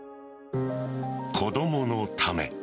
子供のため。